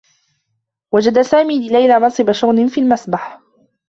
وجد سامي لليلى منصب شغل في المسبح.